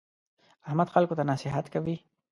احمد خلکو ته نصیحت کوي.